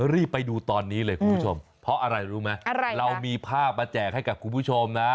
รีบไปดูตอนนี้เลยคุณผู้ชมเพราะอะไรรู้ไหมอะไรเรามีภาพมาแจกให้กับคุณผู้ชมนะ